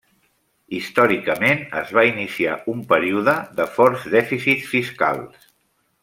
Històricament es va iniciar un període de forts dèficits fiscals.